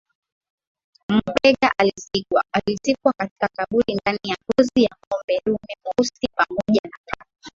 Mbegha alizikwa katika kaburi ndani ya ngozi ya ngombe dume mweusi pamoja na paka